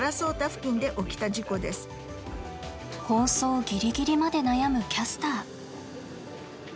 放送ギリギリまで悩むキャスター。